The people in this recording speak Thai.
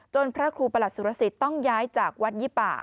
พระครูประหลัดสุรสิทธิ์ต้องย้ายจากวัดยี่ป่า